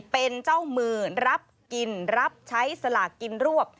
เป็นเจ้ามือรับกินรับใช้สลากกินรวบ